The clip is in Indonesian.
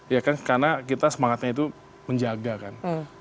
ya kan karena kita semangatnya itu menjaga kan